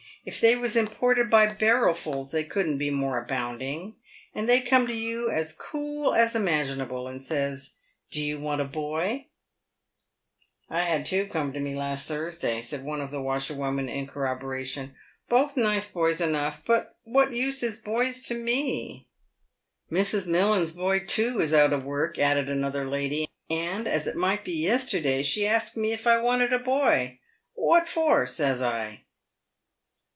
If they was im ported by barrelfuls they couldn't be more abounding. And they come to you as cool as imaginable, and says, ' Do you want a boy ?'. "I had two come to me last Thusday," said one of the washer women, in corroboration —" both nice boys enough ; but what use is boys to me ?" 134 PAVED WITH GOLD. " Mrs. Millins's boy, too, is out of work," added another lady, " and, as it might be yesterday, she ask me if I wanted a boy. ' What for ?' says I.